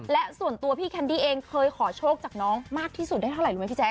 และส่วนตัวพี่แคนดี้เองเคยขอโชคจากน้องมากที่สุดได้เท่าไหร่รู้ไหมพี่แจ